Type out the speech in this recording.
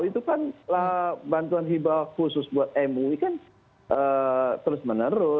itu kan bantuan hibah khusus buat mui kan terus menerus